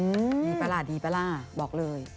มีปลาร่าดีปลาร่าบอกเลย